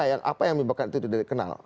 apa yang dikenal